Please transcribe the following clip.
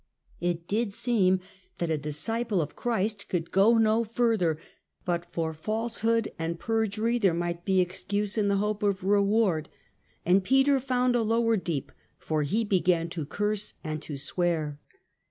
It did seem that a disciple of Christ could go no further; but for false hood and perjury there might be excuse in the hope of reward, and Peter found a lower deep, for "he began to curse and to swear."